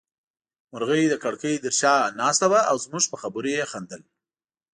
مرغۍ د کړکۍ تر شا ناسته وه او زموږ په خبرو يې خندل.